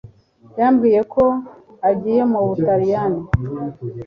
Yambwiye ko agiye mu Butaliyani